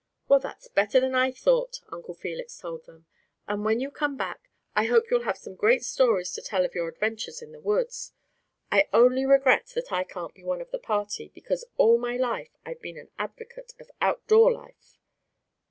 "Well, that's better than I thought," Uncle Felix told them; "and when you come back I hope you'll have some great stories to tell of your adventures in the woods. I only regret that I can't be one of the party, because all my life I've been an advocate of outdoor life."